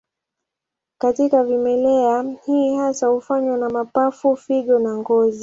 Katika vimelea, hii hasa hufanywa na mapafu, figo na ngozi.